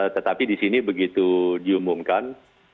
tetapi di sini begitu diumumkan